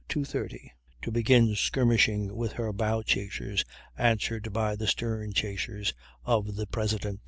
30, to begin skirmishing with her bow chasers, answered by the stern chasers of the President.